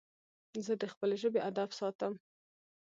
زه د خپلي ژبي ادب ساتم.